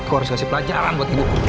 aku harus kasih pelajaran buat ibuku